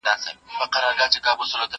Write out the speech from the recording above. زه به اوږده موده ليکنه کړې وم!